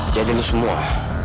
jadi lo semua